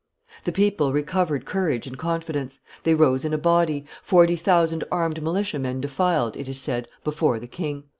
The people recovered courage and confidence; they rose in a body; forty thousand armed militiamen defiled, it is said, before the king.